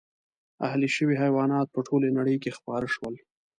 اهلي شوي حیوانات په ټولې نړۍ کې خپاره شول.